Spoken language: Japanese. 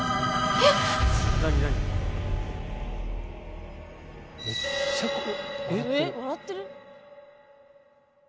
えっ笑ってる。